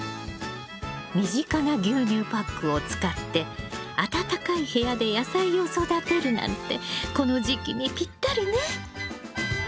身近な牛乳パックを使って暖かい部屋で野菜を育てるなんてこの時期にぴったりね。